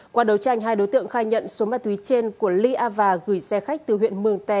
qua đấu tranh hai đối tượng khai nhận số máy túy trên của ly ava gửi xe khách từ huyện mường tè